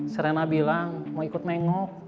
serena bilang mau ikut nengok